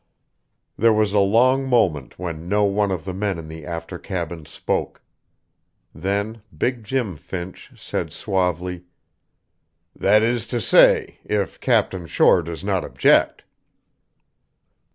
There was a long moment when no one of the men in the after cabin spoke. Then big Jim Finch said suavely: "That is to say, if Captain Shore does not object."